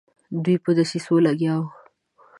دوی په دسیسو لګیا وه.